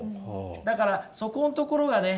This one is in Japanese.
だからそこんところがね